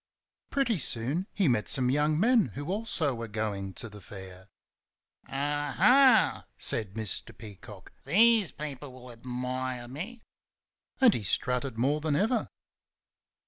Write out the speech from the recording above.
Pretty soon he met some young men who also were going to the Fair. "Aha!" said Mr. Peacock. "These people will admire me!" and he strutted more than ever.